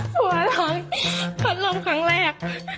สวัสดีครับพัดลมครั้งแรก